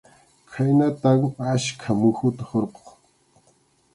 Khaynatam achka muhuta hurquq.